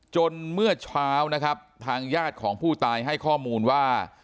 เมื่อเช้านะครับทางญาติของผู้ตายให้ข้อมูลว่า